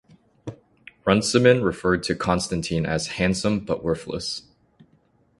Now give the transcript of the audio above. Runciman referred to Constantine as "handsome but worthless".